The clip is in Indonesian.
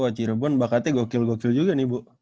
wah cirebon bakatnya gokil gokil juga nih bu